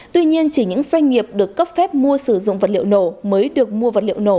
tuy nhiên chỉ những doanh nghiệp được cấp phép mua sử dụng vật liệu nổ mới được mua vật liệu nổ